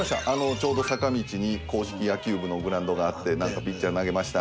ちょうど坂道に硬式野球部のグラウンドがあってピッチャー投げました